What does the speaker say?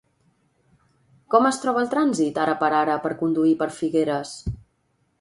Com es troba el trànsit ara per ara per conduir per Figueres?